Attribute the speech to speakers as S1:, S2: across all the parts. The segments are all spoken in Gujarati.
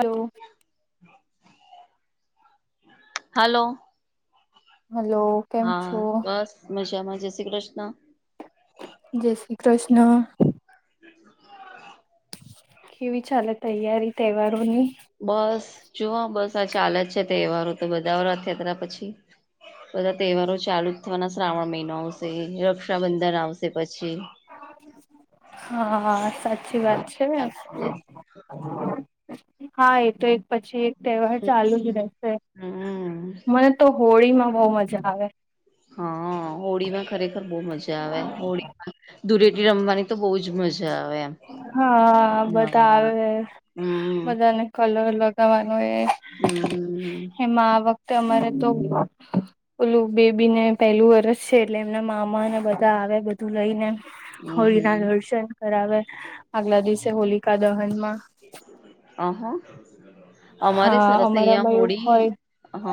S1: હલો.
S2: હલો.
S1: હલો. કેમ
S2: હા,
S1: છો
S2: બસ મજામાં. જય શ્રી કૃષ્ણ.
S1: જય શ્રી કૃષ્ણ.
S2: [unintelligible]
S1: કેવી ચાલે તૈયારી તહેવારોની?
S2: બસ જુઓ બસ આ ચાલ જ છે તહેવારો તો બધા રથયાત્રા પછી. બધા તહેવારો ચાલુ જ થવાના. શ્રાવણ મહિનો આવશે, રક્ષાબંધન આવશે પછી
S1: હા સાચી વાત છે. હા એ તો એક પછી એક તહેવાર ચાલુ જ રહેશે.
S2: હમ
S1: મને તો હોળી માં બ‌ઉ મજા આવે.
S2: હા હોળી માં ખરેખર બહુ મજા આવે. હોળીમાં દૂરેટી રમવાની તો બહુ જ મજા આવે! એમ.
S1: હા બધા
S2: હા
S1: આવે
S2: હમ
S1: બધાને કલર લગાવાનો એ
S2: હહહહ
S1: એમાં આ વખતે અમારે તો ઓલું બેબીને પહેલું વરસ છે એટલે એમના મામાને બધા આવે બધું લ‌ઈને
S2: હમ
S1: હોળીના
S2: હમ
S1: દર્શન કરાવે આગલા દિવસે હોલિકા દહનમાં.
S2: આહા! અમારે
S1: હા
S2: સરસ અહિયાં
S1: અમારામાં એવું
S2: હોડી
S1: હોય
S2: હઅ.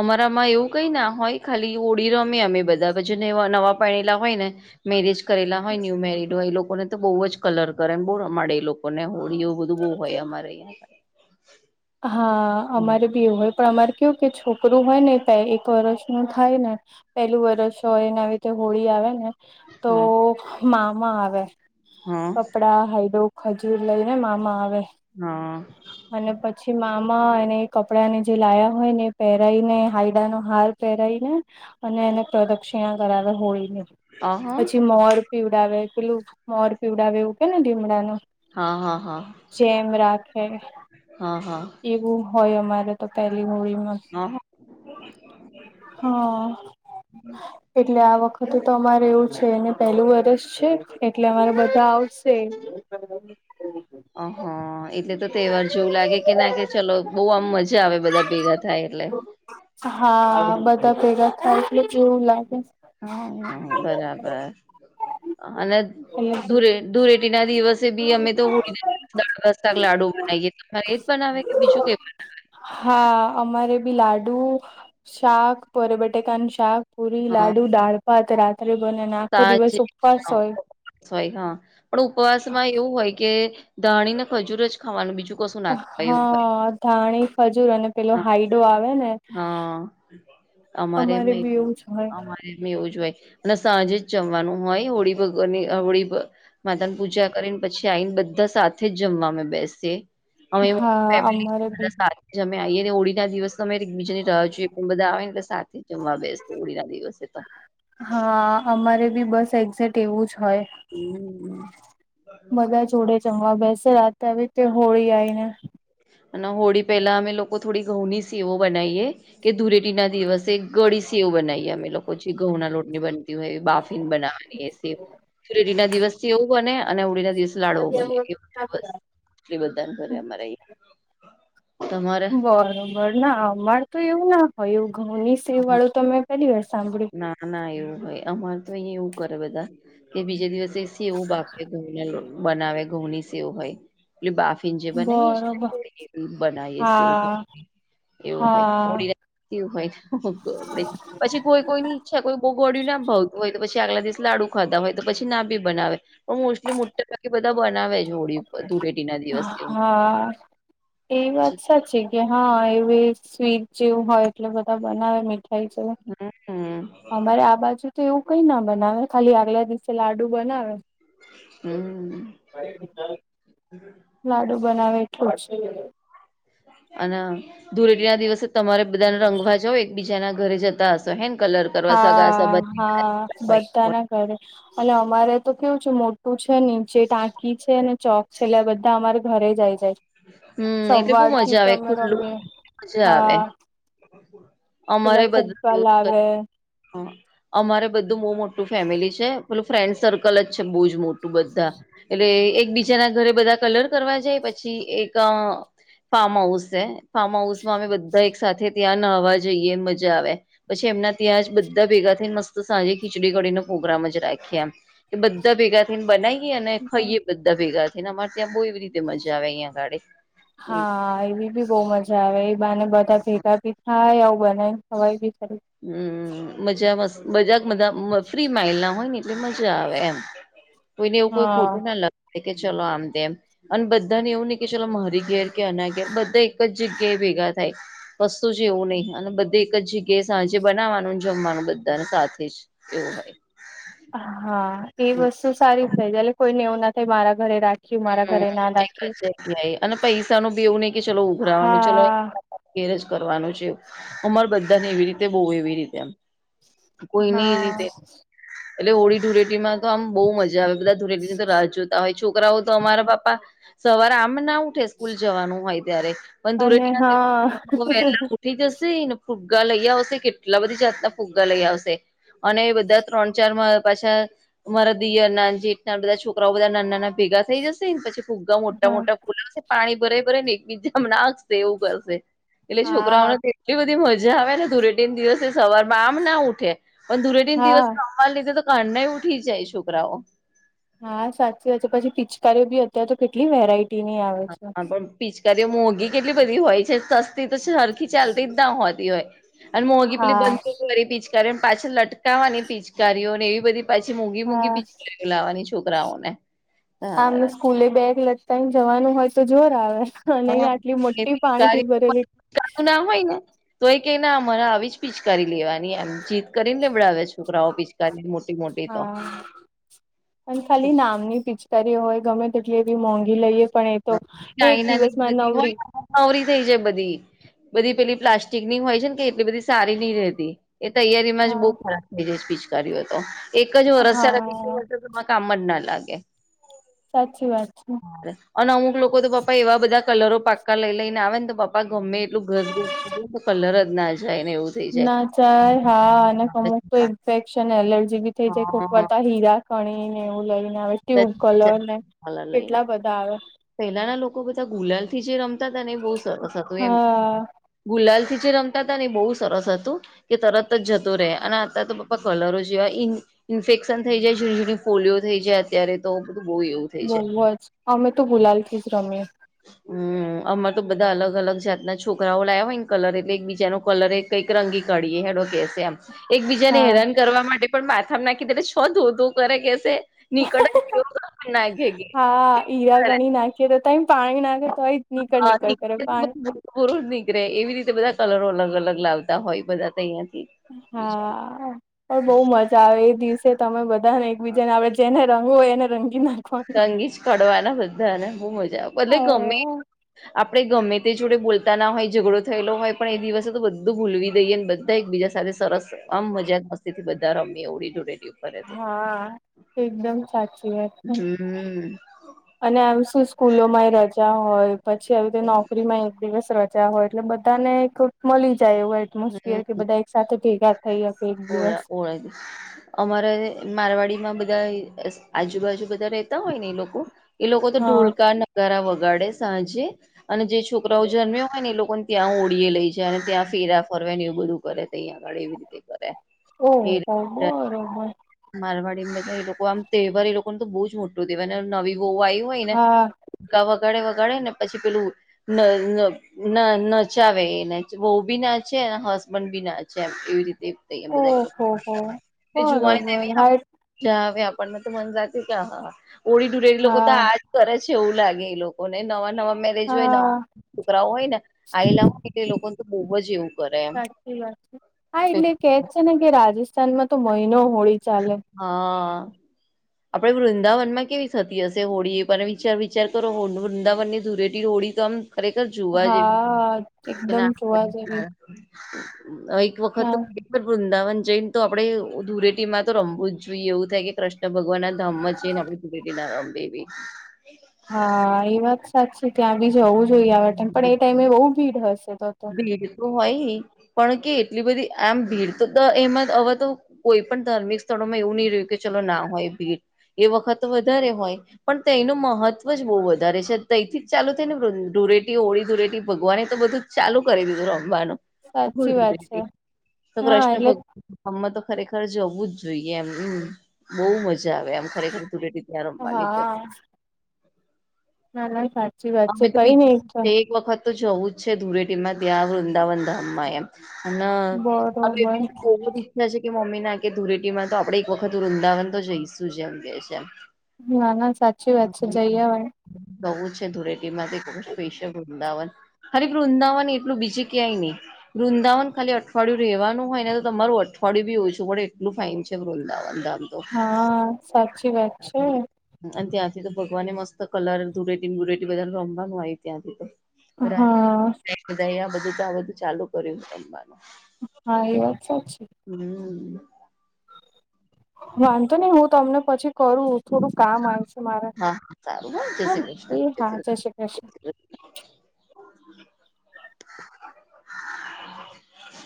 S2: અમારામાં એવું ક‌ં‌ઈના હોય ખાલી હોળી રમીએ અમે બધા પછી નેવા નવા પયણેલા હોયને મેરેજ કરેલા હોય ન્યુ મેરિડ હોય એ લોકોને તો બહુ જ કલર કરે એમ બો રમાળે એ લોકોને હોળી. એવું બધું બહુ હોય અમારેં અહીયાં.
S1: હા અમારે બી એવું હોય પણ અમારે કેવુ કે છોકરું હોયને તો એક વરષનું થાય ને પેલું વરષ હોય અને આવી રીતે હોળી આવેને તો
S2: હા
S1: મામા આવે
S2: હા
S1: કપડા, હાયડો ખજૂર લઈને મામા આવે.
S2: હા.
S1: અને પછી છી મામા એને કપડાને જે લાયા હોયને પહેરાઈને હાયડાનો હાર પહેરાઈને અને એને પ્રદક્ષિણા કરાવે હોળીની.
S2: અહ
S1: પછી મોર પીવડાવે. પેલું મોર પીવડાવે એવું કહીએ ને લીમડાનું.
S2: હા હા હા..
S1: જેમ રાખે
S2: હા હા
S1: એવું હોય અમારે તો પહેલી હોળીમાં
S2: હા હા
S1: હમ્મ એટલે આ વખતે તો અમારે એવું છે એને પેહલું વરસ છે એટલે અમારે બધા આવશે. [unintelligible]
S2: અહ હા. એટલે તો તહેવાર જેવું લાગે કે ના કે ચલો બહુ આમ મજા આવે બધા ભેગા થાય એટલે.
S1: હા બધા ભેગા થાય એટલે કેવું લાગે.
S2: હા હ બરાબર અને
S1: એટલે
S2: ધૂરે ધૂરેટીના દિવસે બી અમે તો હોળી દાળ [unintelligible] લાડુ બનાવીએ તમારે એ જ બનાવે કે બીજું કે
S1: હા અમારે બી લાડુ, શાક પર બટેકાનું શાક પુરી
S2: હા
S1: લાડુ દાળભાત રાત્રે બને અને આખો
S2: સાંજે
S1: દિવસ ઉપવાસ
S2: હા
S1: હોય.
S2: હોય હા પણ ઉપવાસમાં એવું હોય કે ધાણી ને ખજૂર જ ખાવાનું. બીજું કશું ના ખાવાય એવું હોય
S1: હા ધાણી, ખજૂર અને પેલો
S2: હા
S1: હાઈડો આવેને
S2: હા અમારે મેં
S1: બી એવું જ હોય
S2: અમાર એવું જ હોય અને સાંજે જ જમવાનું હોય હોળી ભગની હોળી માતાની પૂજા કરીને પછી આઈને બધા સાથે જ જમવામે બેસી અમે
S1: હા
S2: ફેમિલી છેને
S1: અમારે બી
S2: બધા અમે આઈએ ને ઓળી ના દિવસ તમે એક બીજા ને રાહ જોોએ પણ બધા આવે ને એટલે સાથે જમવા બેસ ઓળી ના દિવસે તો
S1: હા અમારે બી બસ એક્ઝે્ટ તેવું જ હોય
S2: હમ
S1: બધા જોડે જમવા બેસે રા તવી તે હોળી આવીઈ ને
S2: અને હોળી પહેલા અમે લોકો થોડી ઘઉં ની સીવો બનાવીએ કે ધૂરેટી ના દિવસે ગળી સેવ બનાવીએ અમે લોકો પછી ઘઉંના લોટની બનતી હોય એ બાફીન બનાવાની ફડી ના દિવસ થી એવું બને અને આવડી ના દિવસ લાડવો બને એ બસ એટલી બધા કરરે અમારા
S1: બરોબર ના અમાર તો એવું ના હોયું ઘઉં ની સે વાળું તો મેં પેલી વાર સાંભળ્યું
S2: ના ના એવું હોય અમારે તો અહીંયા એવું કરે બધા કે બીજા દિવસે સ એવું બાપે ઘ બનાવે ઘુમની સ એવું હોય એ બાફઇં જેે બના
S1: બરોબર
S2: થોડી બનાઈએ સ
S1: હા
S2: એવું હોય
S1: હા
S2: ઓડીવું હોય આપ પછી કોઈ કોઈની ઈચ્છા કોઈ બોગવાળયું ના ભાવતું હોય તો પછી આગલા દિવસ લાડુ ખાધતા હોય તો પછી ના બી બનાવે પણ મોસ્ટલી મોાકી બધા બનાવે છે હોળડી દૂે
S1: હા એ વાત
S2: પછી
S1: સાચી કે હા એ સ્વીટ જેવું હોય એટલે બધા બનાવે મી થઈ જ
S2: હમ
S1: અમારે આ બાજુ તો એવું કઈ ના બનાવે ખાલી આગલા દિવસે લાડુ બનાવે
S2: હમ
S1: લાડુ બનાવેટું
S2: અને ધૂળેટી ના દિવસે તમારે બધાને રંગવા જાવ એકબીજાના ઘરે જતા હશે હેન કલર કરવા સગા
S1: હા
S2: સૂતી ને
S1: હા બધાના ઘરે અને અમારે તો કેવું છે મોટું છે નીચે ટાંકી છે ને ચોક છે એટલે આ બધા અમારે ઘરે જાય જાય
S2: હમ એટલે બહુ
S1: સવાર થી
S2: મજા
S1: તો
S2: આવે
S1: અમે
S2: ખુલ્લું
S1: રમીએ
S2: મજા આવે
S1: હા પેલા
S2: અમારે બધું
S1: ફુગ્ગા
S2: જોવું
S1: લાવે
S2: હ અમારે બધું બહુ મોટું ફેમિલી છે પેલું ફ્રેન્ડ સર્કલ જ છે બહુ જ મોટું બધા એટલે એકબીજાના ઘરે બધા કલર કરવા જાય પછી એક ફાર્મ હાઉસ છે ફાર્મ હાઉસ માં અમે બધા એક સાથે ત્યાં નહવા જઈએ મજા આવે પછી એમના ત્યાં જ બધા ભેગા થી મસ્ત સાંજે ખીચડી કડીનો પ્રોગ્રામ જ રાખ્યા બધા બધા ભેગા થઈને બનાવીએ અને ખાઈએ બધા ભેગા થઈને અમારે ત્યાં બહુ એવી રીતે મજા આવે અહીં આગાળે
S1: હા એવી બી બહુ મજા આવે એ બાને બધા ભેગા ભી થાય આવું બને ખવાઈ બી ખરું
S2: હમ મજામાં મજાક મા ફ્રી માઇલ ના હોય ને એટલે મજા આવે એમ કોઈને એવું કોઈ ખોટું
S1: હા
S2: ના લગે કે ચલો આમ તેમમ અને બધાને એવું નહિ કે ચલો મારી ઘેર કે અના ઘેર બધા એક જ જગ્યાએ ભેગા થાય વસ્તુ છે એવું નહી અને બધું. એક જગ્યાએ સાંજે બનાવવાનું જમવાનું બધાને સાથે જ એવું હોય.
S1: હા એ વસ્તુ સારી થાય જલે કોઈનેવ ના થાય મારા ઘરે રાખી
S2: હમ એકજ જગ્યાએ અને પૈસા નુ બી એવું નઈ કે ચલો ઉઘરાવાનું ચલો
S1: હા
S2: ઘેરજ કરવાનું છે અમાર બધાને એવી રીતે બહુ એવી રીતે એમ કોઈ નહી રીતે
S1: હા
S2: એટલે હોળી ધૂળેટીમાં તો આમ બહુ મજા આવે બધા ધૂળેટી તો રાહ જોતા હોય છોકરાઓ તો અમારા બાપા સવારે આમ ના ઉઠે સ્કૂલ જવાનું હોય ત્યારે પણ દુરે
S1: અને હા
S2: [unintelligible] ઉઠી જશે ને, ફુગ્ગા લઈ આવશે, કેટલા બધી જાતના ફુગ્ગા લઈ આવશે. અને બધા ત્રણ-ચાર માં પાછા. અમારા દીયરના જેઠના બધા છોકરાઓ બધા નાના-નાના ભેગા. થઈ જશે ને, પછી ફુગ્ગા
S1: હા
S2: મોટા-મોટા ફૂલાવશે પાણી ભરા ભરાઇ ને એકબીજામાં નાખશે એવું કરશે. એટલે છોકરાઓને
S1: હા
S2: તો એટલી બધી મજા આવેને, ધૂળેટીના દિવસે સવારમાં આમ ના ઉઠે. પણ ધૂળેટીના
S1: હા
S2: દિવસે રમવા લીધે તો કયારનાય ઉઠી જાય છોકરાઓ.
S1: હાવ સાચી વાત છે. પછી પિચકારીઓ બી અત્યારે તો કેટલી વેરાયટી ની આવે.
S2: હા
S1: છે.
S2: હા બોલ પિચકારીઓ મોંઘી કેટલી બધી હોય છે સસ. તે તો સરખી ચાલતી જ ના હોતી હોય. અને મોંઘી પેલી
S1: હા
S2: બંધુક વાળી પીચ. ત્યારે પાછી લટકાવાની પિચકારીઓ ને એવી બધી પાછી મોંઘી-મોંઘી
S1: હા
S2: પિચકારીઓ લાવવાની. છોકરાઓ ને
S1: આમને સ્કૂલે બેગ લટકાવીને જવાનું હોય તો જોર આવે. અને આટલી મોટી બાલ્ટી ભરેલી..
S2: તક ના હોય, ને તો એ કે ના અમારે આવી જ પિચકારી લેવાની, એમ જીત કરીને લેવડાવે છે. છોકરાઓ પીચકારી મોટી-મોટી તો.
S1: પણ ખાલી નામની પિચકારી હોય ગમે તેટલી એવી મોંઘી લઈએ. પણ, એ તો એક દિવસ માં નવરી.
S2: નવરી થઈ જાય બધી. બધી પેલી પ્લાસ્ટિક ની હોય છે, ને કે એટલી બધી સારી નઈ રહેતી. એ તૈયારીમાં જ બહુ
S1: હા
S2: ખરાબ થઈ જાય છે પીચકારીઓ તો. એક જ વરસ છે ને બીજુ
S1: હા
S2: વ.. માં કામ જ ના લાગે.
S1: સાચી વાત છે.
S2: અને અમુક લોકો તો, બપ્પા એવા બધા કલરો પાક્કા લઈ-લઈ ને આવે ને, તો બપ્પા ગમે એટલું ઘસુ તો કલર જ ના જાય, ને એવું થઈ જાય
S1: ના જાય, હા. અને અમુક તો ઇન્ફેક્શન એલર્જી ભી થઇ જાય કોક
S2: હા
S1: વારતા હીરા.. કણીને એવું લઈને આવે, ટ્યુબ કલર,
S2: બધા
S1: ને કેટલા બધા આવે.
S2: પહેલાના લોકો બધા ગુલાલ થી જે રમતા હતા, ને એ બહુ સરસ હતું એમ.
S1: હા
S2: ગુલાલ થી જે રમતા હતા, ને એ બહુ સરસ હતું. કે તરત જ જતો રહે. અને અત્યારે તો બાપ્પા કલરો જેવા ઇ.. ઇન્ફેક્શન થઈ જાય. જીણી-જીણી ફોલિયો થઈ જાય. અત્યારે તો બધું બહુ એવું. થઈ
S1: બહુ
S2: જાય.
S1: જ. અમે તો ગુલાલ થી જ રમીએ.
S2: હમ અમારે તો બધા અલગ-અલગ જાતના છોકરાઓ લાવ્યા હોય ને કલર એટલે એકબીજા નો કલર એક. કઈક રંગી કડી એ. હેડો કેશે એમ. એકબીજાને
S1: હા.
S2: હેરાન કરવા માટે પણ માથામાં નાખી દે છ ધો-ધો કરે કેશે. નીકળવ ઘેગ [inaudible]
S1: ઈરા ઘણી નાખી તો ત પાણી નાખે તોય..
S2: હ
S1: નીકળ નીકળ કરે પાણી
S2: [inaudible] પૂર જ નીકરેે. એવી રીતે બધા કલરો અલગ-અલગ લાવતા હોય, બધા ત અહીંથી.
S1: હા.. આ. પણ બહુ મજા આવે, એ દિવસે તમે બધાને એકબીજા ને આપડ.. એને રંગ હોય, એને રંગી ના..
S2: રંગીજ કડવાના બધાને. બહુ મજા આવે, ભલે ગમે..
S1: હ [inaudible]
S2: આપડે ગમે તે જોડે બોલતા ના હોય, ઝઘડો થયેલો હોય પણ, એ દિવસે તો બધું ભૂલવી દઈએ, ને બધા એક બીજા સાથે.. સરસ. આમ મજાક મસ્તી થી બધા રમીએ હોળી-ધુરેટી.
S1: હા.. આ.. એકદમ સાચી વાત. છે.
S2: હમ...
S1: અને આમ શું સ્કૂલો માં રજા હોય, પછી આવી તે નોકરીમાં એક દિવસ રજા.. હોય, એટલે બધા ને એક મળી જાય એવું
S2: હમ્મ
S1: એટમોસફિયર, કે બધા એક સાથે ભેગા થઇ.. થઈ આપકે એક દિવસ..
S2: પ દ [unintelligible] અમારે મારવાડી માં બધા આજુબાજુ બધા રતા હોય ને એ લોકો એ લોકો તો
S1: હા.
S2: ઢોલકા નગારા વગાડે સાંજે અને જે છોકરાઓ જન્મ્યા હોય ને એ લોકોને ત્યાં ઓળીએ લઈ જાય અને ત્યાં ફેરા ફરવા ને એવું બધું કરે અહીંયા આગળ એવી રીતે
S1: ઓહ હબબ
S2: મારવાડી માં બધા એ લોકો આમ તહેવાર એ લોકોને તો બહુ જ મોટું તહેવાય નવી બહુ આવ હોય ને
S1: હા
S2: કા વગાડે વગાડે ને પછી પેલું ના નચાવે એ બહ બી ના છે હસબન્ડ બી ના છે એમ એવી રીતે
S1: ઓહો હો
S2: બધા જોવાનીવી
S1: બરોબર હા
S2: જવે આપણ તો મન જ કે હા ઓળ ડુરેેલી લોકોક તો
S1: હા
S2: આજ કરે છે એવું લાગે એ લોકોને નવા નવા
S1: હા
S2: નવા છોકરાઓ હોય ને આલા હોય એટલે લોકોને તો બહુ જ એવું કરે એમ
S1: વાત છે સાચી હા એટલે કેજ છે ને કે રાજસ્થાનમાં તો મહિનો હોળી ચાલે
S2: [inaudible] આપણે વૃંદાવનમાં કેવી થતી હશે હોળી એ પણ વિચાર વિચાર કરો વૃંદાવન ની ધૂરે રોળ તો આમ ખરેખર જોવા
S1: હા
S2: જવી
S1: એકદમ
S2: ના
S1: જોવા જેવી
S2: એક વખત
S1: ના
S2: તો વૃંદાવન જૈને તો આપડે ધૂરેટીમાં તો રમવું જ જોઈએ એવું થાય કે કૃષ્ણ ભગવાન ના ધામ છેને આપુેટી ના રમવી
S1: હા એ વાત સાચી ત્યાં બી જ હોવું જોઈએ આન પણ એ ટાઈમે બહુ ભીડ હશે તો તો
S2: ભીડ તો હોય પણ કે એટલી બધી આમ ભીડ તો એમાં હવે તો કોઈ પણ ધાર્મિક સ્થળોમાં એવું નહી રહ્યું કે ચલો ના હોય ભીડ એ વખત વધારે હોય પણ તેનું મહત્વ જ બહુ વધારે છે તથી જ ચાલુ થઈ ને ધૂરેટી હોળી ધૂરેટી ભગવાને એ તો બધું ચાલુ કરી દીધું રમવાનુંુે
S1: સાચી વાત છે
S2: તો
S1: હા
S2: કૃષ્ણ
S1: એટલે
S2: ભગવાન હમે તો ખરેખર જો હોવું જ જોઈએ એમ બહુ મજા મજા આવે આમ ખરેખર તુરેેટી ત્યાં રમવાની તો
S1: હા ના ના સાચી વાત છે
S2: અમે તો
S1: કઈ નઈ
S2: બીજી
S1: ઈચ્છા
S2: તે એક વખત તો જવું જ છે ધૂળેટીમાં ત્યાં વૃંદાવન ધામમાં એમ. અને
S1: બરોબર
S2: [unintelligible] છે કે મમ્મી ના કે ધૂળેટીમાં તો આપડે એક વખત વૃંદાવન તો જઈશું જ એમ કે છે.
S1: ના ના સાચી વાત છે જઈએવાાઈ
S2: બહુ જ છે ધૂળેટી માંથી બહુ સ્પેશિયલ વૃંદાવન હરે પણ ઊંદા એટલ બીજ ક્યાંય નહી વૃંદાવન ખાલી અઠવાિયું રહેવાનું હોય ને તો તમારું અઠવાડયુંી ઓછું પડે એટલું ફાાઈન છે વૃંદાવન ધામ તો
S1: હા સાચી વાત છે
S2: અને ત્યાંથી તો ભગવાને મસ્ત કલર ધુરેટી ગુરેટી બધા રમવાનું આય ત્યાંથી તો બધ
S1: હા
S2: બધું તો આ બધું ચાલુ કર્યું રમવાનું
S1: હા એ વાત સાચી છે.
S2: હમ.
S1: વાંધતો નઈ હું તમને પછી કરું થોડું કામ આયું છે.
S2: હા સારું જય
S1: હા
S2: શ્રી કૃષ્ણ
S1: એ હા જય શ્રી કૃષ્ણ.